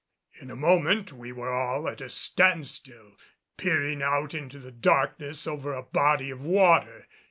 In a moment we were all at a standstill, peering out into the darkness over a body of water.